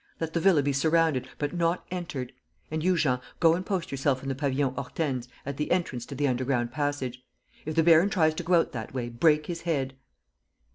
... Let the villa be surrounded ... but not entered. And you, Jean, go and post yourself in the Pavillon Hortense, at the entrance to the underground passage. If the baron tries to go out that way, break his head."